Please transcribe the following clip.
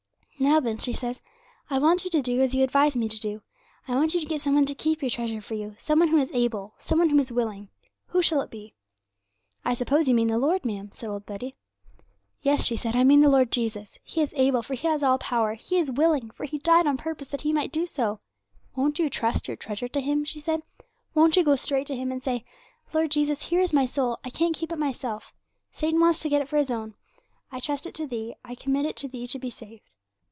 '"Now, then," she says, "I want you to do as you advised me to do. I want you to get some one to keep your treasure for you some one who is able, some one who is willing; who shall it be?" '"I suppose you mean the Lord, ma'am," said old Betty. '"Yes," she said, "I mean the Lord Jesus. He is able, for He has all power; He is willing, for He died on purpose that He might do so. Won't you trust your treasure to Him?" she said. "Won't you go straight to Him, and say, Lord Jesus, here is my soul; I can't keep it myself; Satan wants to get it for his own. I trust it to Thee; I commit it to Thee to be saved."